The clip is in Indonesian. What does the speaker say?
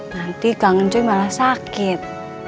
nanti kangen cui malah sakit